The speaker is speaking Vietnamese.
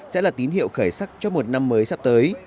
sẽ là tín hiệu khởi sắc cho một năm mới sắp tới